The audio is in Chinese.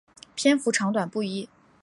篇幅长短不一。